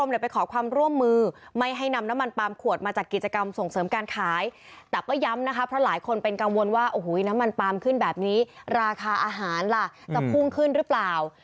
หรือเปล่า